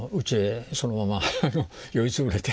そのまま酔い潰れて。